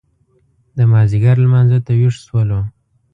د مازیګر لمانځه ته وېښ شولو.